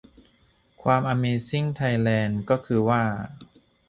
ความอเมซิ่งไทยแลนด์ก็คือว่า